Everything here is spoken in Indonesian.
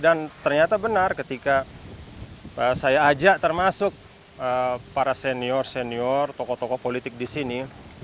dan ternyata benar ketika saya ajak termasuk para senior senior tokoh tokoh politik di sini